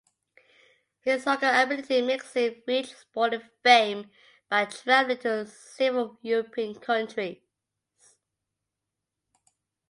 His soccer ability makes him reach sporting fame by traveling to several European countries.